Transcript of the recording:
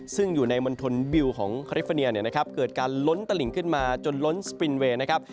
ซึ่งในบิลล์ของกาเลฟเฟอร์เนียขึ้นมาจนร้นสปนไว